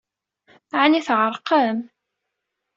Ɛni tɛeṛqem?